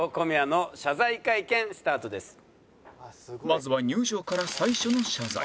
まずは入場から最初の謝罪